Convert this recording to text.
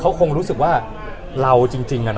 เขาคงรู้สึกว่าเราจริง